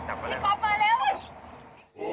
พี่กบมาเร็ว